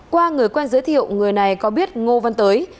qua người quen giới thiệu người này có biết ngô văn tới